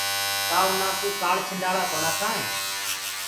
ڪآ اُنآ ڪوُ ڪآنڇنڊآزݪآ ڪونآ کآئينٚ۔